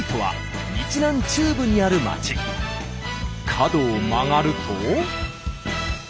角を曲がると。